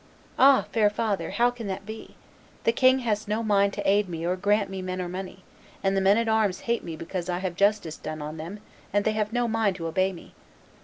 "Ah! fair father, how can that be? The king has no mind to aid me or grant me men or money; and the men at arms hate me because I have justice done on them, and they have no mind to obey me."